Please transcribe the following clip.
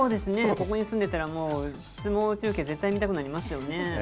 ここに住めたらもう、相撲中継、絶対見たくなりますよね。